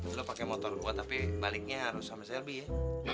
eh sona lu pake motor gua tapi baliknya harus sama shelby ya